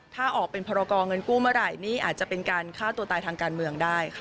ถ้าออกเป็นพรกรเงินกู้เมื่อไหร่นี่อาจจะเป็นการฆ่าตัวตายทางการเมืองได้ค่ะ